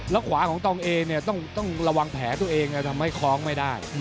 แล้วขวาของตองเอเนี่ยต้องระวังแผลตัวเองทำให้คล้องไม่ได้